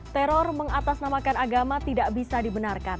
teror mengatasnamakan agama tidak bisa dibenarkan